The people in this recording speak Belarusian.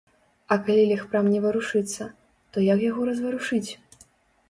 А калі легпрам не варушыцца, то як яго разварушыць?